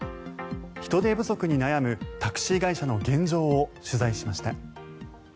人手不足に悩むタクシー会社の現状を取材しました。